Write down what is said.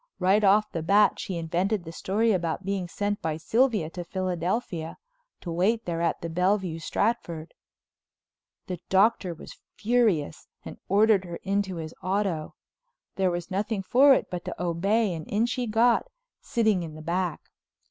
Right off the bat she invented the story about being sent by Sylvia to Philadelphia—to wait there at the Bellevue Stratford. The Doctor was furious and ordered her into his auto. There was nothing for it but to obey and in she got, sitting in the back.